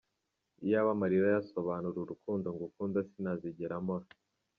Iyaba amarira yasobanura urukundo ngukunda sinazigera mpora.